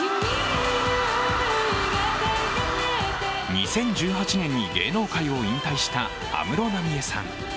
２０１８年に芸能界を引退した安室奈美恵さん。